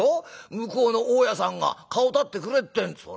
向こうの大家さんが顔立ててくれってんですから」。